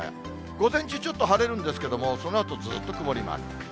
午前中、ちょっと晴れるんですけれども、そのあとずーっと曇りマーク。